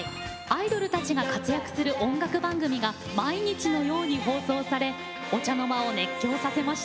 アイドルたちが活躍する音楽番組が毎日のように放送されお茶の間を熱狂させました。